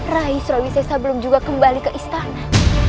rai surawisesa belum juga kembali ke istana